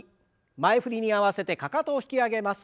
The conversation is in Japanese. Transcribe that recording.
前振りに合わせてかかとを引き上げます。